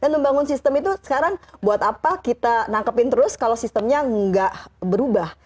membangun sistem itu sekarang buat apa kita nangkepin terus kalau sistemnya nggak berubah